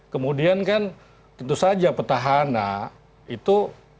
kemudian kan tentu saja petahana itu